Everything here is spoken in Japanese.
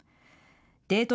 デート